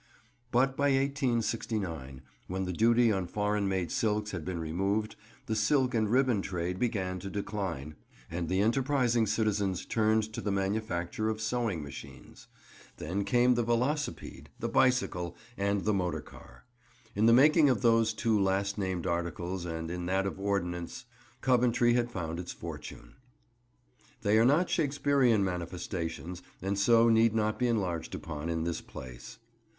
But by 1869, when the duty on foreign made silks had been removed, the silk and ribbon trade began to decline, and the enterprising citizens turned to the manufacture of sewing machines. Then came the velocipede, the bicycle, and the motor car. In the making of those two last named articles and in that of ordnance, Coventry has found its fortune. They are not Shakespearean manifestations, and so need not be enlarged upon in this place.